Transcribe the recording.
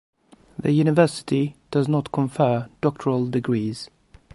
The university does not confer doctoral degrees.